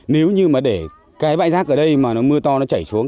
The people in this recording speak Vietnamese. nếu như mà để cái bãi rác ở đây mà nó mưa to nó chảy xuống